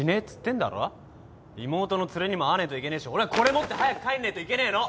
妹のツレにも会わねえといけねえし俺はこれ持って早く帰んねえといけねえの！